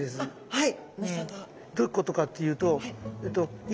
はい。